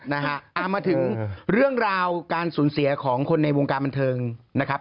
นะฮะเอามาถึงเรื่องราวการสูญเสียของคนในวงการบันเทิงนะครับ